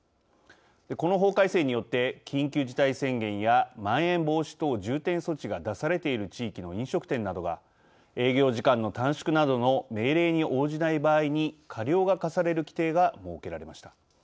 この法改正によって緊急事態宣言やまん延防止等重点措置が出されている地域の飲食店などが営業時間の短縮などの命令に応じない場合に過料が科される規定が設けられました。